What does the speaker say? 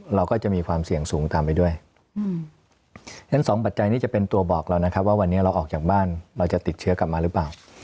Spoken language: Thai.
เราก็จะมีความเสี่ยงสูงตามไปด้วยฉะนั้นสองปัจจัยนี้จะเป็นตัวบอกเรานะครับว่าวันนี้เราออกจากบ้านเราจะติดเชื้อกลับมาหรือเปล่า